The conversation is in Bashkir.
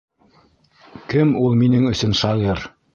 Кем ул минең өсөн шағир?